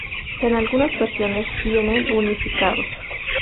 En algunas versiones vienen unificados.